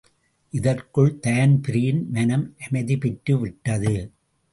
இதற்குள் தான்பிரீன் மனம் அமைதி பெற்று விட்டது.